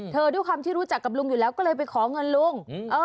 ด้วยความที่รู้จักกับลุงอยู่แล้วก็เลยไปขอเงินลุง